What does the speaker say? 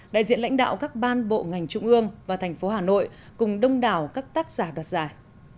đại diện lãnh đạo các ban bộ ngành trung ương và thành phố hà nội cùng đông đảo các tác giả đoạt giải